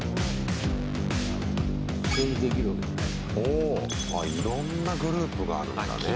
おいろんなグループがあるんだね。